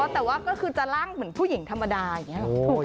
แต่ว่าก็คือจะร่างเหมือนผู้หญิงธรรมดาอย่างนี้หรอ